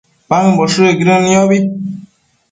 paëmboshëcquidën niobi